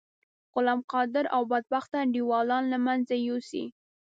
غلام قادر او بدبخته انډيوالان له منځه یوسی.